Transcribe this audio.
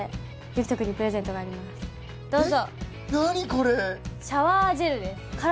どうぞ！